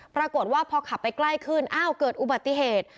ปรากฏว่าพอขับไปใกล้ขึ้นอ้าวเกิดอุบัติเหตุ